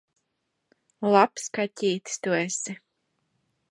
Labs kaķītis tu esi!